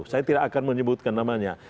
saya tidak akan menyebutkan namanya